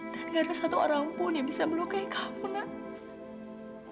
dan gak ada satu orang pun yang bisa melukai kamu nak